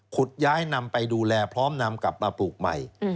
ย้ายนำไปดูแลพร้อมนำกลับมาปลูกใหม่